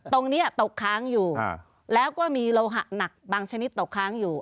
ตรงนี้ตกค้างอยู่แล้วก็มีโลหะหนักบางชนิดตกค้างอยู่